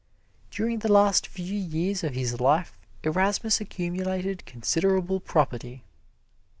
During the last few years of his life Erasmus accumulated considerable property.